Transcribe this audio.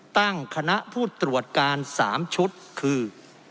ตั้งคณะผู้ตรวจการ๓ชุดคือ